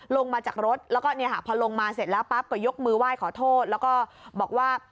ลงมาจากรถแล้วก็พอลงมาเสร็จแล้วปั๊บก็ยกมือไหว้ขอโทษแล้วก็บอกว่า